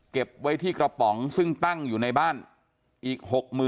เก็บไว้ที่กระป๋องซึ่งตั้งอยู่ในบ้านอีก๖๐๐๐